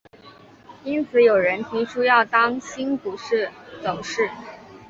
因此有人提出要当心股市走势。